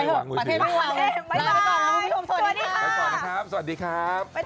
ไปทานขนมเบี้ยป์แปปหนึ่ง